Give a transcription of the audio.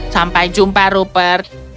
sampai jumpa rupert